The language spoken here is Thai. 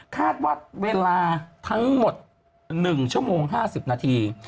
คาดว่าเวลาทั้งหมด๑ชั่วโมง๕๐นาที